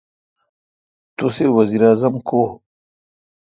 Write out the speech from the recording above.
تسے° وزیر اعظم کو° ؟